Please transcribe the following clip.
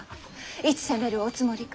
いつ攻めるおつもりか？